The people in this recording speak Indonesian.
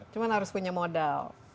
cuma harus punya modal